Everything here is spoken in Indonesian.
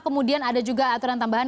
kemudian ada juga aturan tambahan